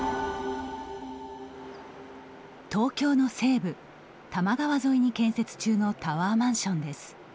東京の西部、多摩川沿いに建設中のタワーマンションです。